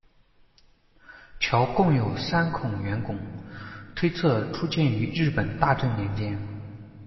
桥共有三孔圆拱，推测初建于日本大正年间。